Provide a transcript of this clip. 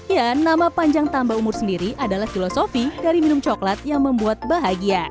ya nama panjang tambah umur sendiri adalah filosofi dari minum coklat yang membuat bahagia